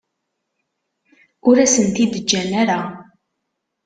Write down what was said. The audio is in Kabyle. Ur asen-t-id-ǧǧan ara.